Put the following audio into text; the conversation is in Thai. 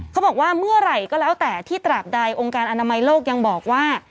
เขาบอกว่าเมื่อไหร่ก็แล้วแต่ที่ตราบใดองค์การอนามัยโลกยังบอกว่า